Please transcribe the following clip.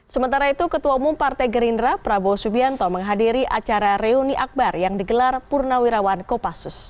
sementara itu ketua umum partai gerindra prabowo subianto menghadiri acara reuni akbar yang digelar purnawirawan kopassus